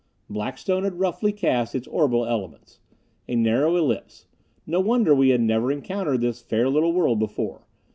Blackstone had roughly cast its orbital elements. A narrow ellipse. No wonder we had never encountered this fair little world before.